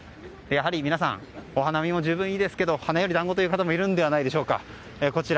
やはり皆さん、お花見も十分いいですけど花よりだんごという方もいるのではないでしょうか。